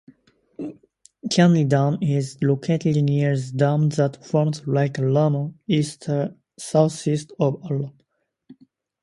Canyondam is located near the dam that forms Lake Almanor, east-southeast of Almanor.